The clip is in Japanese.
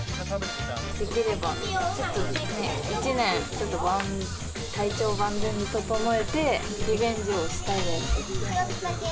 できれば、１年ちょっと体調万全に整えて、リベンジをしたいです。